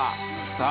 さあ。